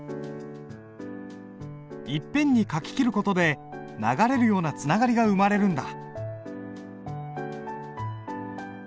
いっぺんに書ききる事で流れるようなつながりが生まれるんだ。